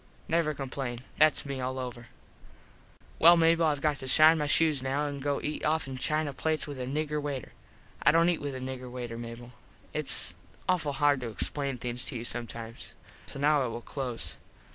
Never complain. Thats me all over. Well Mable I got to shine my shoes now and go and eat offen china plates with a nigger waiter. I dont eat with a nigger waiter, Mable. Its awful hard to explain things to you sometimes. So now I will close.